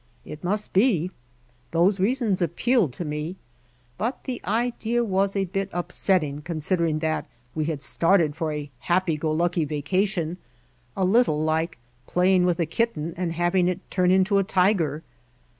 It must bel Those reasons appealed to me, but the idea was a bit upsetting considering that we had started for a happy go lucky vacation, a little like playing with a kitten and having it turn into a tiger.